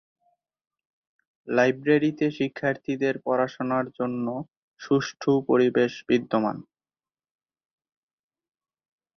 লাইব্রেরিতে শিক্ষার্থীদের পড়াশোনার জন্য সুষ্ঠু পরিবেশ বিদ্যমান।